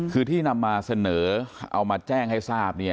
คือที่นำมาเสนอเอามาแจ้งให้ทราบ